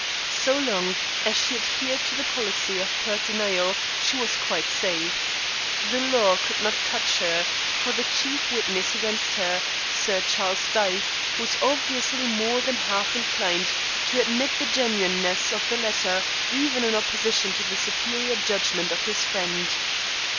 So long as she adhered to the policy of pert denial she was quite safe. The law could not touch her, for the chief witness against her, Sir Charles Dyke, was obviously more than half inclined to admit the genuineness of the letter, even in opposition to the superior judgment of his friend.